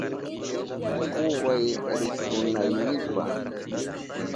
Kuway rikunaynipa.